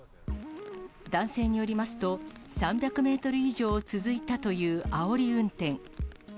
男性によりますと、３００メートル以上続いたというあおり運転。